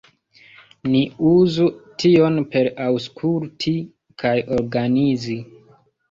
Ni uzu tion per aŭskulti kaj organizi.